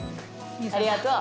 ありがとう。